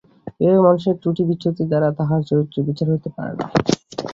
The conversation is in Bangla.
এইভাবে মানুষের ত্রুটিবিচ্যুতি দ্বারা তাহার চরিত্রের বিচার হইতে পারে না।